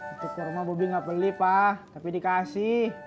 itu kurma bobi nggak beli pak tapi dikasih